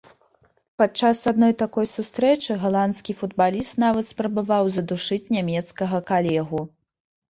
Падчас адной такой сустрэчы галандскі футбаліст нават спрабаваў задушыць нямецкага калегу.